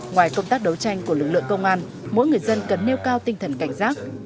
ngoài công tác đấu tranh của lực lượng công an mỗi người dân cần nêu cao tinh thần cảnh giác